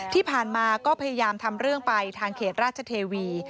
ที่ผ่านมาก็พยายามทำเรื่องไปทางเขตราชเทวี